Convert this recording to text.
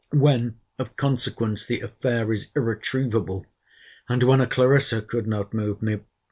when, of consequence, the affair is irretrievable? and when a CLARISSA could not move me?